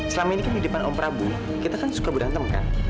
selama ini kan di depan om prabu kita kan suka berantem kan